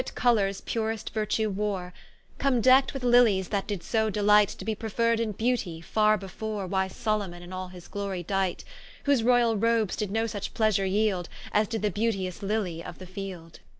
Those perfit colours purest Virtue wore, Come dekt with Lillies that did so delight To be preferr'd in Beauty, farre before Wise Salomon in all his glory dight: Whose royall roabes did no such pleasure yield, As did the beauteous Lilly of the field.